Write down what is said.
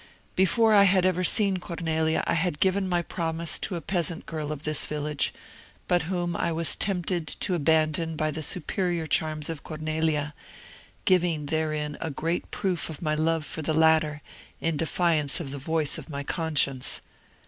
Before I had ever seen Cornelia I had given my promise to a peasant girl of this village, but whom I was tempted to abandon by the superior charms of Cornelia, giving therein a great proof of my love for the latter, in defiance of the voice of my conscience.